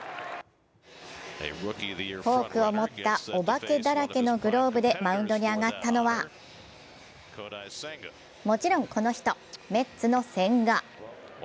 フォークを持ったお化けだらけのグローブでマウンドに上がったのは、もちろんこの人、メッツの千賀。